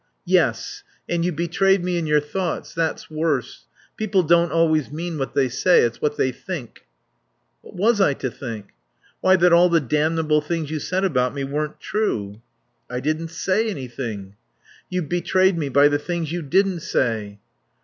"Yes. And you betrayed me in your thoughts. That's worse. People don't always mean what they say. It's what they think." "What was I to think?" "Why, that all the damnable things you said about me weren't true." "I didn't say anything." "You've betrayed me by the things you didn't say."